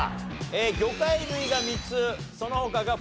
魚介類が３つそのほかが２つ。